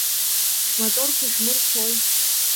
Шәмоторқәа шәмырцәои!